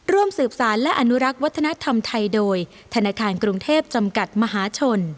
ร่วมสืบสารและอนุรักษ์วัฒนธรรมไทยโดยธนาคารกรุงเทพจำกัดมหาชน